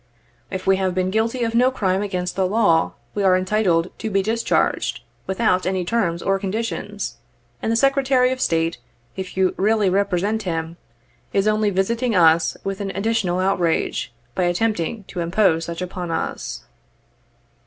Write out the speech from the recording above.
If we have been guilty of no crime against the law, we are entitled to be discharged, without any terms or conditions, and the Secretary of State — if you really represent him — is only visiting us with an additional outrage, by attempting to impose such upon us.